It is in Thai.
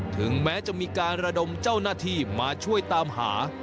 ถึงแม้จะมีการระดมเจ้าหน้าที่มาช่วยตามหา